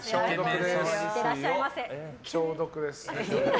消毒です。